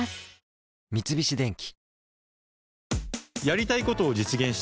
三菱電機